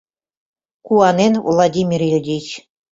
— куанен Владимир Ильич.